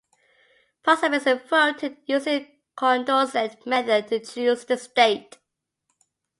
Participants voted using the Condorcet method to choose the state.